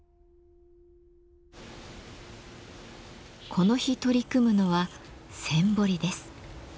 この日取り組むのは線彫りです。